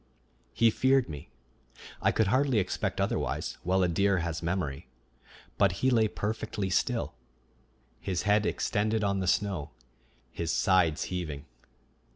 He feared me I could hardly expect otherwise, while a deer has memory but he lay perfectly still, his head extended on the snow, his sides heaving.